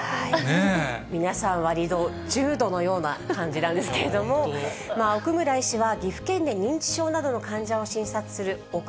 皆さん、わりと重度のような感じなんですけれども、奥村医師は、岐阜県で認知症などの患者を診察するおく